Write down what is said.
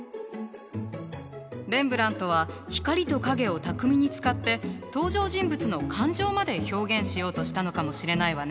レンブラントは光と影を巧みに使って登場人物の感情まで表現しようとしたのかもしれないわね。